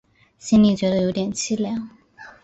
心里觉得有点凄凉